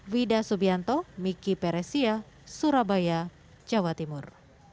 wida subianto miki peresia surabaya jawa timur